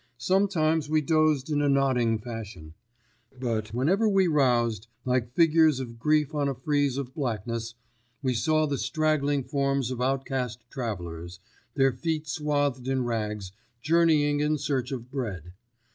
Sometimes we dozed in a nodding fashion. But whenever we roused, like figures of grief on a frieze of blackness, we saw the straggling forms of outcast travellers, their feet swathed in rags, journeying in search of bread.